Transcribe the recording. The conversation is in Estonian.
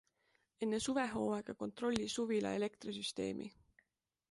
Enne suvehooaega kontrolli suvila elektrisüsteemi!